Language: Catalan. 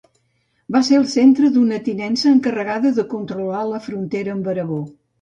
Va ser centre d'una tinença encarregada de controlar la frontera amb Aragó.